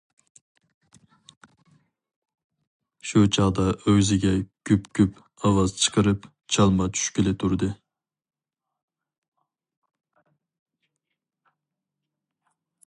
شۇ چاغدا ئۆگزىگە« گۈپ- گۈپ» ئاۋاز چىقىرىپ چالما چۈشكىلى تۇردى.